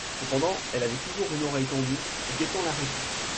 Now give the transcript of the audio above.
Cependant, elle avait toujours une oreille tendue, guettant la réplique.